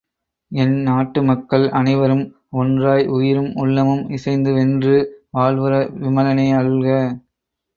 என் நாட்டு மக்கள் அனைவரும் ஒன்றாய் உயிரும் உள்ளமும் இசைந்து வென்று வாழ்வுற விமலனே அருள்க!